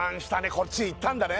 こっちへいったんだね